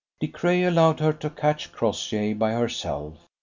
De Craye allowed her to catch Crossjay by herself.